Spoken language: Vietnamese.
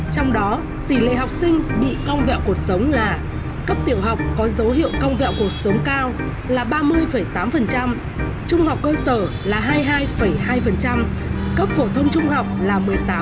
trong đó tỷ lệ học sinh bị cong vẹo cuộc sống là cấp tiểu học có dấu hiệu công vẹo cuộc sống cao là ba mươi tám trung học cơ sở là hai mươi hai hai cấp phổ thông trung học là một mươi tám